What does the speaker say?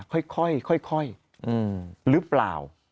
ค่อยหรือเปล่า